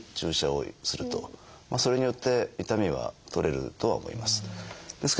それによって痛みは取れるとは思います。